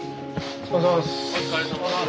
お疲れさまです。